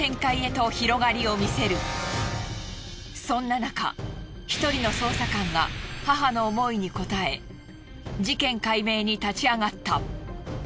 そんななか一人の捜査官が母の思いに応え事件解明に立ち上がった。